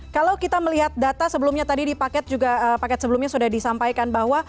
kalau kita melihat data sebelumnya tadi di paket juga paket sebelumnya sudah disampaikan bahwa